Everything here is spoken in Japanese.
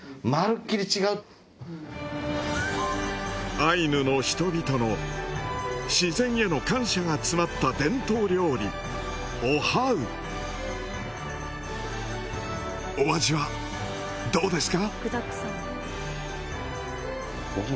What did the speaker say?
アイヌの人々の自然への感謝が詰まったお味はどうですか？